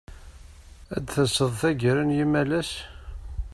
Ad d-taseḍ taggara-a n yimalas?